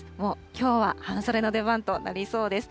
きょうは半袖の出番となりそうです。